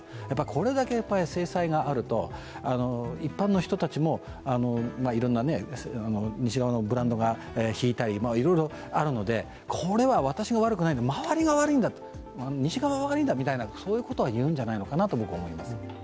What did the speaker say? これだけ制裁があると一般の人たちも西側のブランドが引いたり、いろいろあるので、これは私は悪くない、周りが悪いんだ、西側が悪いんだみたいなことは言うんじゃないのかなと思います。